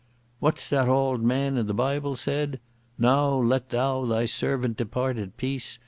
"What's that the auld man in the Bible said? Now let thou thy servant depart in peace.